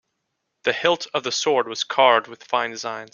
The hilt of the sword was carved with fine designs.